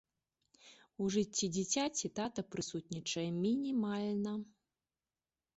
У жыцці дзіцяці тата прысутнічае мінімальна.